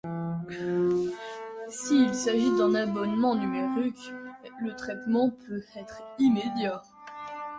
S'il s'agit d'un abonnement numérique, le traitement peut être immédiat.